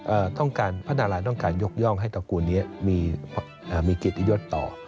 เอ่อพระนาราชต้องการยกย่องให้ตระกูลนี้มีกิจตะยดต่อ